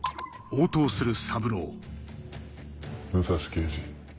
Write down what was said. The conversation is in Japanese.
武蔵刑事。